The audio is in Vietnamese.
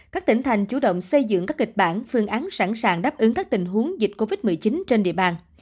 các tỉnh thành chủ động xây dựng các kịch bản phương án sẵn sàng đáp ứng các tình huống dịch covid một mươi chín trên địa bàn